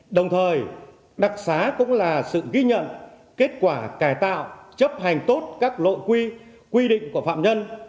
đồng thời đặc sá cũng là sự ghi nhận kết quả cài tạo chấp hành tốt các lội quy quy định của phạm nhân